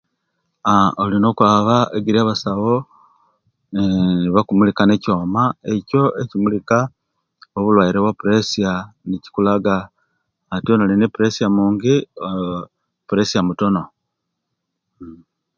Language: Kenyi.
Aah olina okwaba ejeri abasawo eeh nebakumulika ne'kyoma echo ekimulika obulwaire obwa pulesia nikikulaga ati ono alina pulesia mungi ooh pulesia mutono uuh